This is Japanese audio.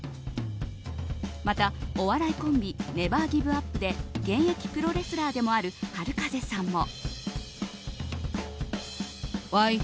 また、お笑いコンビネバーギブアップで現役プロレスラーでもあるＨＡＲＵＫＡＺＥさんも。